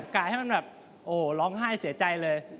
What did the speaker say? กะให้มันแบบโอ้ร้องไห้เสียใจเลย